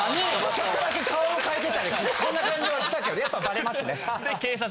ちょっとだけ顔を変えてたりこんな感じはしたけどやっぱバレますね。